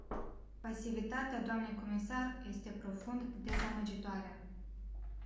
Pasivitatea dnei comisar este profund dezamăgitoare.